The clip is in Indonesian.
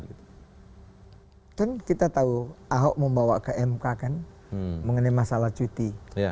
kan kita tahu ahok membawa ke mk kan mengenai masalah cuti